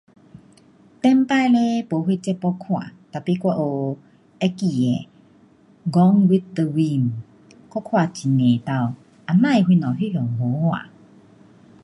以前嘞没啥节目看，tapi 我有会记得 gone with the wind. 我看很多次，也甭晓什么这么好看。